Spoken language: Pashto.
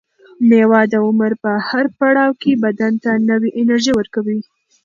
مېوه د عمر په هر پړاو کې بدن ته نوې انرژي ورکوي.